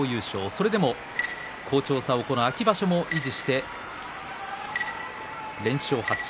それでも好調さをこの秋場所も維持して連勝発進。